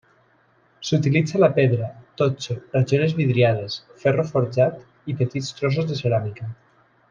S'utilitza la pedra, totxo, rajoles vidriades, ferro forjat i petits trossos de ceràmica.